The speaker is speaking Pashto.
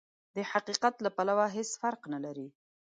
د حقيقت له پلوه هېڅ فرق نه لري.